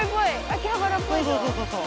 秋葉原っぽいぞ。